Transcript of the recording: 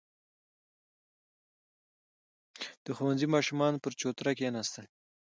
• د ښوونځي ماشومان پر چوتره کښېناستل.